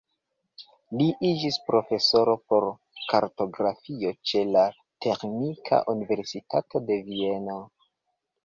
Li iĝis profesoro por kartografio ĉe la Teĥnika Universitato de Vieno.